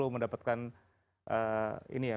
mendapatkan ini ya